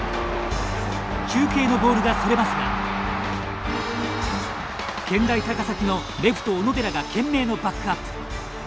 中継のボールがそれますが健大高崎のレフト小野寺が懸命のバックアップ。